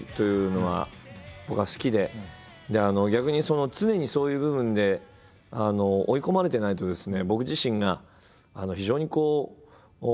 でも逆に常にそういう部分で追い込まれてないとですね